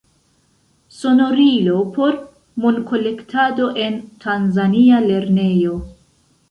Sonorilo por monkolektado en tanzania lernejo.